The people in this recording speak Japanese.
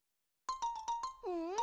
うん？